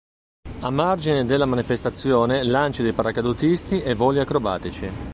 A margine della manifestazione lanci di paracadutisti e voli acrobatici.